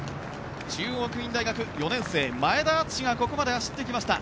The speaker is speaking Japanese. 中央学院大学４年生、前田篤志がここまで走ってきました。